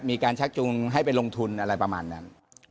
ชักจุงให้ไปลงทุนอะไรประมาณนั้น